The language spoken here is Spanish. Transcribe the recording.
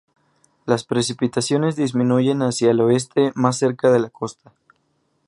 Las precipitaciones disminuyen hacia el oeste más cerca de la costa.